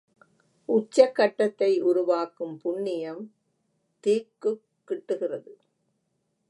உச்சக் கட்டத்தை உருவாக்கும் புண்ணியம் தீக்குக்கிட்டுகிறது.